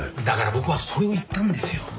だから僕はそれを言ったんですよ。